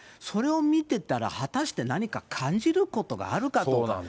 それを見てたら、果たして何か感じることがあるかどうか。